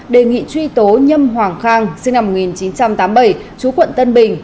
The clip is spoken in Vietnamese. đề nghị truy tố nhâm hoàng khang sinh năm một nghìn chín trăm tám mươi bảy chú quận tân bình